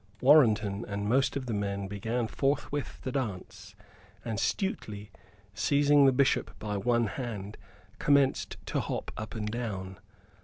Warrenton and most of the men began forthwith to dance; and Stuteley, seizing the Bishop by one hand, commenced to hop up and down.